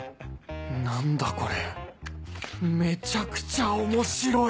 何だこれめちゃくちゃ面白い！